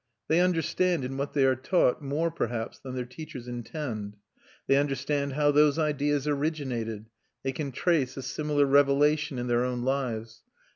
They understand in what they are taught more, perhaps, than their teachers intend. They understand how those ideas originated, they can trace a similar revelation in their own lives.